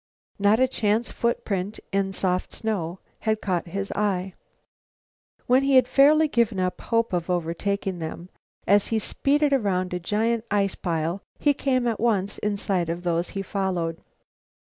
Not a chance footprint in soft snow had caught his eye. When he had fairly given up hope of overtaking them, as he speeded around a gigantic ice pile he came at once in sight of those he followed.